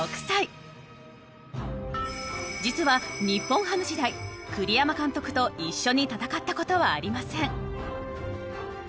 実は日本ハム時代栗山監督と一緒に戦った事はありません。